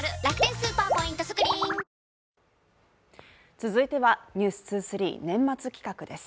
続いては「ｎｅｗｓ２３」年末企画です。